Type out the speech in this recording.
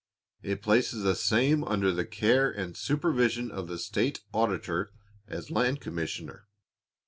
It places the same under the care and supervision of the state auditor, as land commissioner.